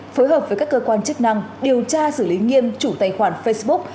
phối hợp với các cơ quan chức năng điều tra xử lý nghiêm chủ tài khoản facebook